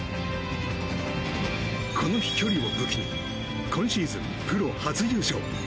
この飛距離を武器に今シーズン、プロ初優勝。